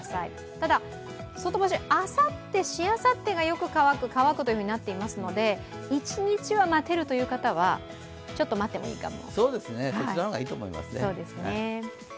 ただ、外干し、あさって、しあさってがよく乾く、乾くとなっていますので、一日は待てるという方は待ってもいいかも。